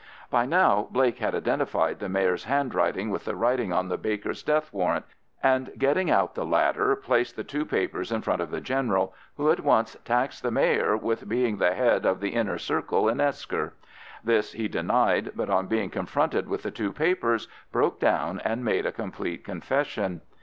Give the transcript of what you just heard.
By now Blake had identified the Mayor's handwriting with the writing on the baker's death warrant, and getting out the latter, placed the two papers in front of the General, who at once taxed the Mayor with being the head of the Inner Circle in Esker. This he denied, but on being confronted with the two papers, broke down and made a complete confession.